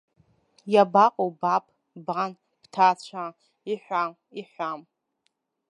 Иабаҟоу, баб, бан, бҭаацәа, иҳәа, иҳәа!